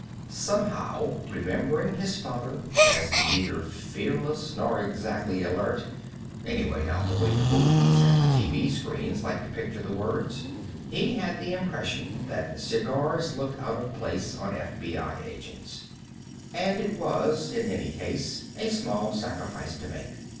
Somehow, remembering his father as neither fearless nor, exactly, alert anyway, not the way the movies and the TV screens liked to picture the words he had the impression that cigars looked out of place on FBI agents. And it was, in any case, a small sacrifice to make.